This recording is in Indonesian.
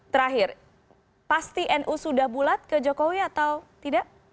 terakhir pasti nu sudah bulat ke jokowi atau tidak